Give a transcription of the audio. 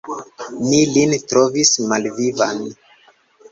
Ni lin trovis malvivan.